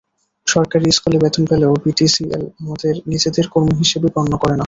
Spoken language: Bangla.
সরকারি স্কেলে বেতন পেলেও বিটিসিএল আমাদের নিজেদের কর্মী হিসেবে গণ্য করে না।